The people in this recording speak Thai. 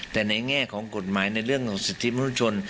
แต่ในแง่ของกฎหมายในเรื่องของสิทธิมนุษยชน